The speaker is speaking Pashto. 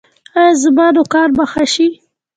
ایا زما نوکان به ښه شي؟